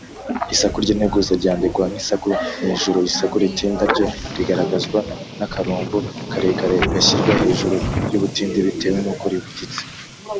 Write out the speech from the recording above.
Isaku ry’integuza ryandikwa nk’isaku nyejuru. Isaku ritinda ryo rigaragazwa n’akarongo karekare gashyirwa hejuru y’ubutinde bitewe n’uko rivugitse.